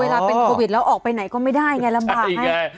เวลาเป็นโควิดแล้วออกไปไหนก็ไม่ได้ไงลำบาก